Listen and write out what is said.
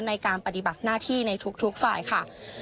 ในการปฏิบัติหน้าที่ในทุกฝ่ายค่ะ